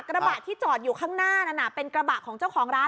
กระบะที่จอดอยู่ข้างหน้านั้นเป็นกระบะของเจ้าของร้าน